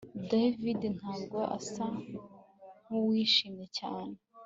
David ntabwo asa nkuwishimiye cyane